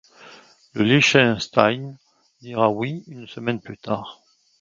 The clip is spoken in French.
Le Liechtenstein dira oui une semaine plus tard.